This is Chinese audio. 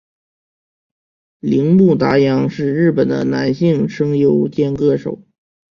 铃木达央是日本的男性声优兼歌手。